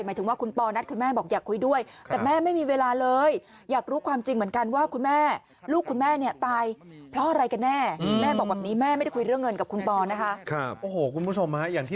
หมายถึงว่าคุณปอนัดคุณแม่บอกอยากคุยด้วย